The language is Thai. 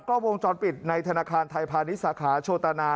กล้อมวงจอดปิดในธนาคารไทยภาริสาขาโชตนา